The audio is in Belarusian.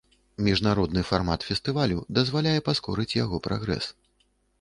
Міжнародны фармат фестывалю дазваляе паскорыць яго прагрэс.